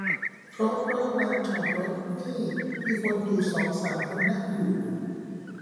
เพราะรอบลานจอดรถนี่มีคนอยู่สองสามคนนั่งอยู่